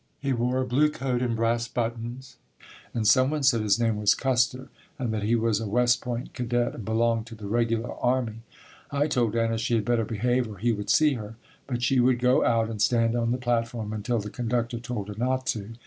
He wore a blue coat and brass buttons, and some one said his name was Custer and that he was a West Point cadet and belonged to the regular army. I told Anna she had better behave or he would see her, but she would go out and stand on the platform until the conductor told her not to.